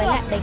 nhà con ở đâu